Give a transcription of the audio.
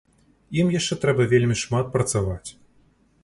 Ім яшчэ трэба вельмі шмат працаваць.